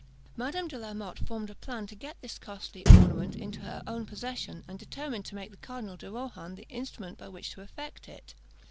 Madame de la Motte formed a plan to get this costly ornament into her own possession, and determined to make the Cardinal de Rohan the instrument by which to effect it.